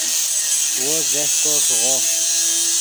وو زیہکو ݰیغو